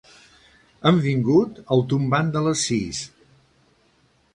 Han vingut al tombant de les sis.